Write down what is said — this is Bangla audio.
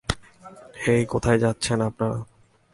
হেই, কোথায় যাচ্ছেন আপনারা?